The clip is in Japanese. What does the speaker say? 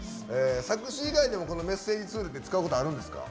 作詞以外でもメッセージツールって使うことあるんですか？